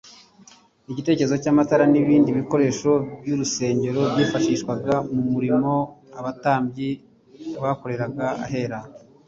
igitereko cy'amatara n'ibindi bikoresho by'urusengero byifashishwaga mu murimo abatambyi bakoreraga ahera